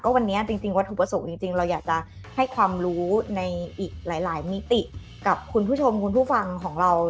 วันนี้จริงวัตถุประสงค์จริงเราอยากจะให้ความรู้ในอีกหลายมิติกับคุณผู้ชมคุณผู้ฟังของเรา